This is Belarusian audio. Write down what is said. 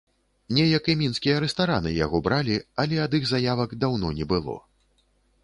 Неяк і мінскія рэстараны яго бралі, але ад іх заявак даўно не было.